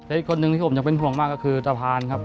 และอีกคนนึงที่ผมจะเป็นห่วงมากก็คือตะพานครับ